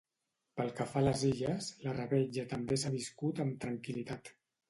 Pel que fa a les Illes, la revetlla també s’ha viscut amb tranquil·litat.